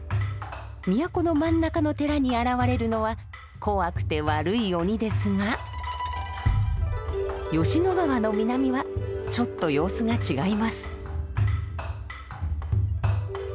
都の真ん中の寺に現れるのは怖くて悪い鬼ですが吉野川の南はちょっと様子が違います。